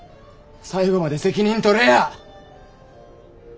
最後まで責任とれや！